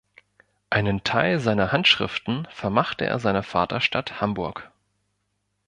Einen Teil seiner Handschriften vermachte er seiner Vaterstadt Hamburg.